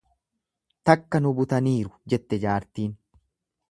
Takka nu butaniiru jette jaartiin.